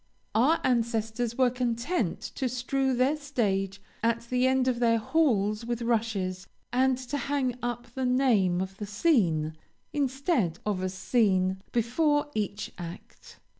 Our ancestors were content to strew their stage at the end of their halls with rushes, and to hang up the name of the scene, instead of a scene, before each act.